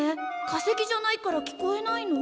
化石じゃないから聞こえないの？